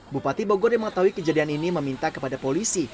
bupati bogor yang mengetahui kejadian ini meminta kepada polisi